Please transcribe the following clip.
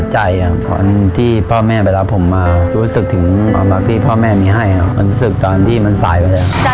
จัดกะเพราไก่และหมูกระเทียมลาดข้าวขายได้เวลา๓นาทีครับ